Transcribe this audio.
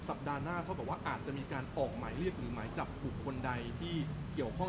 สัปดาห์หน้าเท่ากับว่าอาจจะมีการออกหมายเรียกหรือหมายจับบุคคลใดที่เกี่ยวข้อง